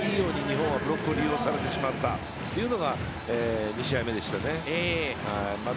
だから、いいように日本はブロックを利用されたというのが２試合目でしたね。